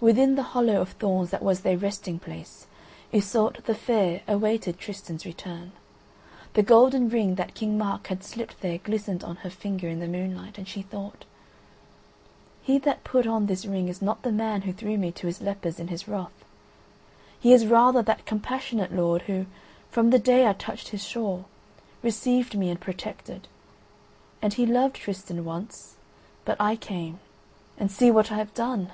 Within the hollow of thorns that was their resting place Iseult the Fair awaited Tristan's return. The golden ring that King Mark had slipped there glistened on her finger in the moonlight, and she thought: "He that put on this ring is not the man who threw me to his lepers in his wrath; he is rather that compassionate lord who, from the day I touched his shore, received me and protected. And he loved Tristan once, but I came, and see what I have done!